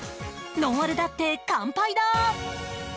「ノンアルだって、乾杯だ。」。